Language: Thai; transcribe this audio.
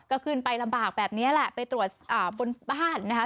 ก็ขึ้นไปลำบากแบบนี้แหละไปตรวจบนบ้านนะคะ